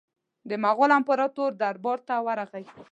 د مغول امپراطور دربار ته ورغی.